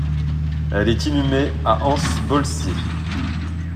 Elle est inhumée à Ans-Bolsee.